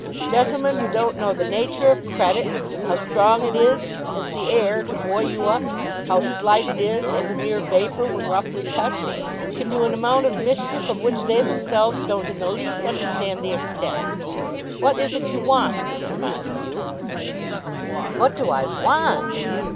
Gentlemen who don't know the nature of credit, how strong it is, as the air, to buoy you up; how slight it is, as a mere vapour, when roughly touched, can do an amount of mischief of which they themselves don't in the least understand the extent! What is it you want, Mr. Montague?" "What do I want?"